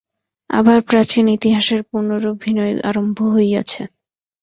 আবার প্রাচীন ইতিহাসের পুনরভিনয় আরম্ভ হইয়াছে।